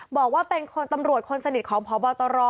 บอกว่าเป็นคนตำรวจคนสนิทของพบตร